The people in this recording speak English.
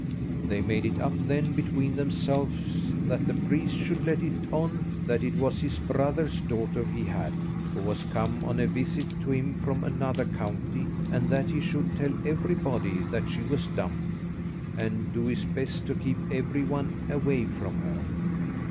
They made it up then between themselves that the priest should let on that it was his brother's daughter he had, who was come on a visit to him from another county, and that he should tell everybody that she was dumb, and do his best to keep every one away from her.